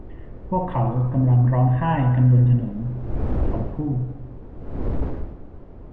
พวกเขากำลังร้องไห้กันบนถนน'เขาพูด